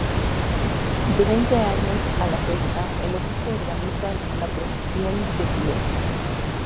De veinte años a la fecha el obispo organiza la Procesión del Silencio".